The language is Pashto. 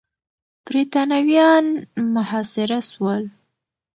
برتانويان محاصره سول.